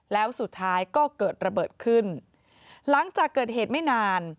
แล้วสุดท้ายก็เกิดระเบิดขึ้นหลังจากเกิดเหตุไม่นาน